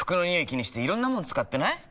気にしていろんなもの使ってない？